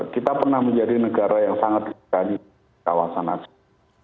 kita pernah menjadi negara yang sangat dekat di kawasan asia